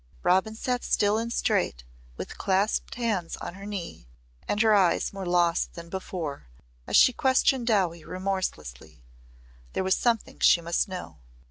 Robin sat still and straight, with clasped hands on her knee, and her eyes more lost than before, as she questioned Dowie remorselessly. There was something she must know.